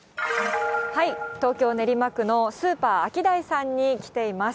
東京・練馬区のスーパーアキダイさんに来ています。